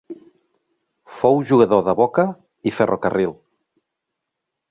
Fou jugador de Boca i Ferro Carril.